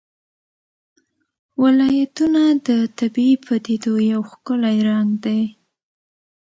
ولایتونه د طبیعي پدیدو یو ښکلی رنګ دی.